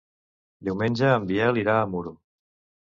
Diumenge en Biel irà a Muro.